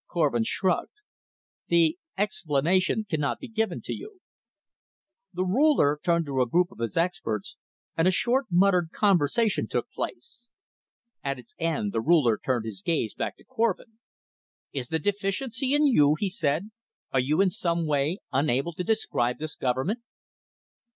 Korvin shrugged. "The explanation cannot be given to you." The Ruler turned to a group of his experts and a short muttered conversation took place. At its end the Ruler turned his gaze back to Korvin. "Is the deficiency in you?" he said. "Are you in some way unable to describe this government?"